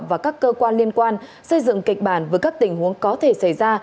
và các cơ quan liên quan xây dựng kịch bản với các tình huống có thể xảy ra